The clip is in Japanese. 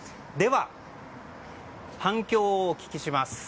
では、反響をお聞きします。